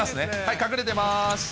隠れてまーす。